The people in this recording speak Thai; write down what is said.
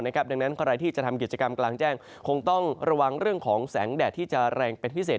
ดังนั้นใครที่จะทำกิจกรรมกลางแจ้งคงต้องระวังเรื่องของแสงแดดที่จะแรงเป็นพิเศษ